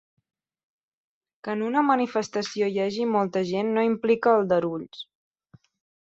Que en una manifestació hi hagi molta gent no implica aldarulls.